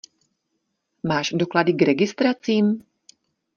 Máš doklady k registracím?